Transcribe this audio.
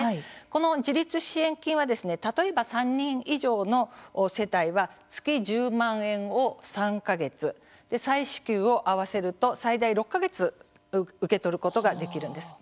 この自立支援金は例えば、３人以上の世帯は月１０万円を３か月再支給を合わせると最大６か月受け取ることができるんです。